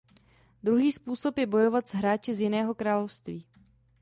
Druhý způsob je bojovat s hráči z jiného království.